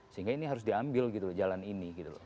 sehingga ini harus diambil gitu jalan ini gitu loh